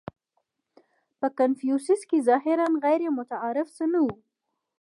• په کنفوسیوس کې ظاهراً غیرمتعارف څه نهو.